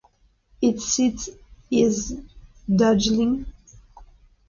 Its seat is Darjeeling.